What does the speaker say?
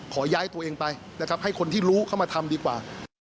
ขอย้ายตัวเองไปนะครับให้คนที่รู้เข้ามาทำดีกว่า